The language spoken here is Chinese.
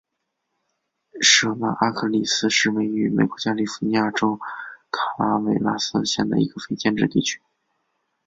舍曼阿克里斯是位于美国加利福尼亚州卡拉韦拉斯县的一个非建制地区。